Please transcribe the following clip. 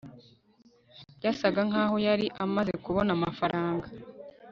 byasaga nkaho yari amaze kubona amafaranga